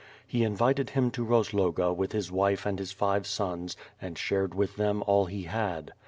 He invited him to Rozloga with his wife and his five sons and shared with them all he had.